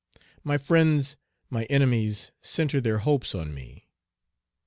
My friends, my enemies, centre their hopes on me.